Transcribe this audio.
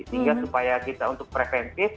sehingga supaya kita untuk preventif